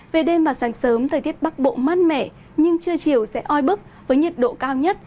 về đêm và sáng sớm thời tiết bắc bộ mát mẻ nhưng trưa chiều sẽ oi bức với nhiệt độ cao nhất